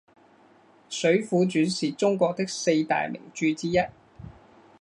水浒传是中国的四大名著之一。